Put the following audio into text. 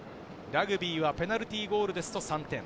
ラグビーはペナルティーゴールで３点。